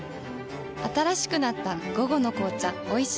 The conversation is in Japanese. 新しくなった「午後の紅茶おいしい無糖」